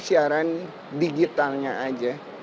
siaran digitalnya aja